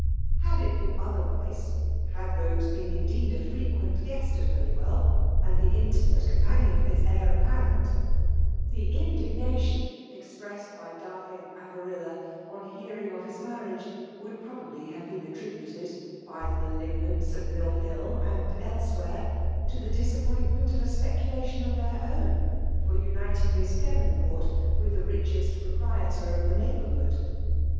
i . Had 4t been otherwise, had Rose been in* deed a freqne&t guest at Holywell^ and the iotimate companion of its heir apparent, the indignation expressed by Di and Ayarilla on hearing of his marriage would probably hav^ been attributed, by the malignants at Mitt Hill and elsewhere, to the disappointment o( a speculation of their own, for uniting Misli DeTonport with the richest proprietor of the neighbourhood.